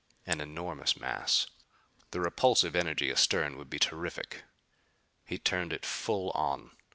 An enormous mass. The repulsive energy astern would be terrific. He turned it full on.